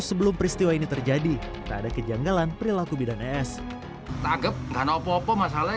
sebelum peristiwa ini terjadi tak ada kejanggalan perilaku bidan es tangkep karena opo opo masalahnya